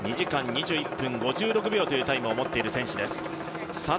２時間２１分５６秒というタイムを持っている選手です。